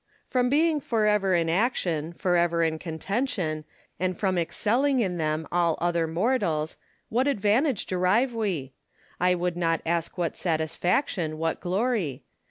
Lucullus. From being for ever in action, for ever in contention, and from excelling in them all other mortals, what advantage derive we? I would not ask what satisfac tion, what glory?